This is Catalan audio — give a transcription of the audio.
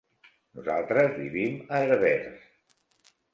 Nosaltres vivim a Herbers.